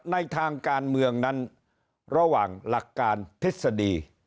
ในทางการเมืองนั้นระหว่างหลักการทฤษฎี